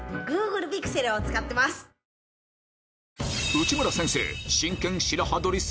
内村先生